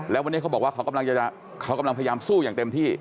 แล้ววันนี้เขาบอกว่าเขากำลังพยายามสู้อย่างเต็มที่